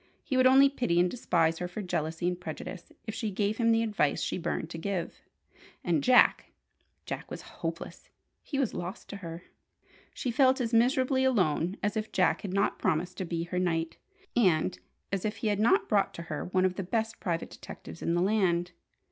He would only pity and despise her for jealousy and prejudice if she gave him the advice she burned to give. And Jack Jack was hopeless! He was lost to her. She felt as miserably alone as if Jack had not promised to be her "knight," and as if he had not brought to her one of the best private detectives in the land.